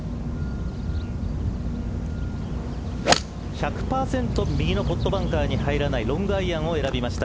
１００％右のポットバンカーに入らないロングアイアンを選びました。